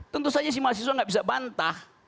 tentu saja si mahasiswa nggak bisa bantah